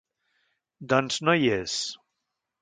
Doncs no hi és.